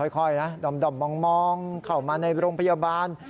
ค่อยนะด่อมมองเข้ามาในโรงพยาบาล